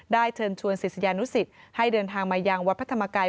เชิญชวนศิษยานุสิตให้เดินทางมายังวัดพระธรรมกาย